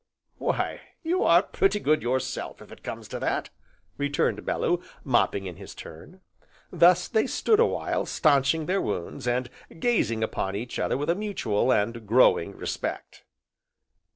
"Why, you are pretty good yourself, if it comes to that," returned Bellew, mopping in his turn. Thus they stood a while stanching their wounds, and gazing upon each other with a mutual, and growing respect.